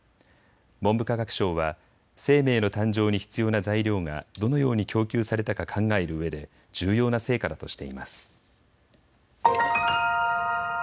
文部科学省は生命の誕生に必要な材料がどのように供給されたか考えるうえで重要な成果だとしています。